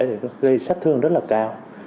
thì nó gây sát thương rất là cao